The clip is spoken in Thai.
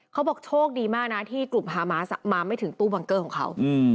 เขาบอกโชคดีมากนะที่กลุ่มฮามาสมาไม่ถึงตู้บังเกอร์ของเขา